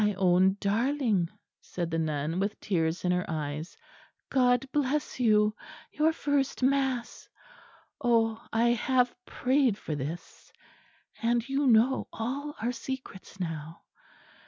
"My own darling," said the nun, with tears in her eyes. "God bless you your first mass. Oh! I have prayed for this. And you know all our secrets now.